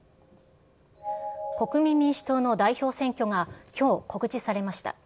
国民民主党の代表選挙がきょう告示されました。